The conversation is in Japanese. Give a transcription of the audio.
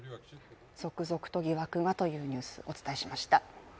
続々と疑惑がというニュース、お伝えしました。